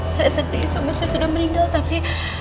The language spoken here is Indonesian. saya sedih suami saya sudah meninggal tapi